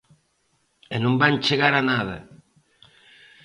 E non van chegar a nada.